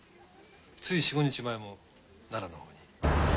つい４５日前も奈良のほうに。